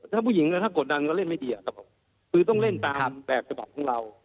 ถ้าผู้หญิงถ้ากดดันก็เล่นไม่ดีครับผมคือต้องเล่นตามแบบฉบับของเรา